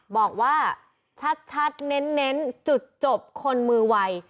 บอกว่าชัดเน้นจุดจบคนมือวัย